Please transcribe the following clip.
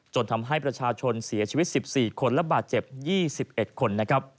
ทำให้ประชาชนเสียชีวิต๑๔คนและบาดเจ็บ๒๑คน